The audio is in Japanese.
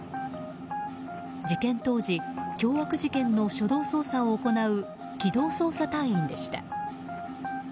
事件当時凶悪事件の初動捜査を行う機動捜査隊員でした。